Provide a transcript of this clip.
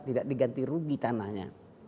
tidak diganti rugi tanahnya